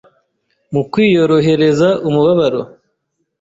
mu kwiyorohereza umubabaro